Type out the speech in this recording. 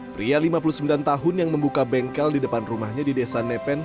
pria lima puluh sembilan tahun yang membuka bengkel di depan rumahnya di desa nepen